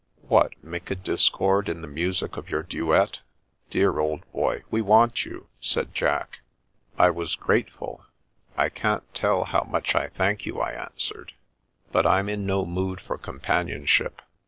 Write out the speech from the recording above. "What, make a discord in the music of your duet?" " Dear old boy, we want you," said Jack. I was grateful. " I can't tell how much I thank you," I answered. " But I'm in no mood for com panionship.